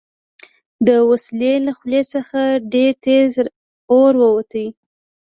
د وسلې له خولې څخه ډېر تېز اور ووت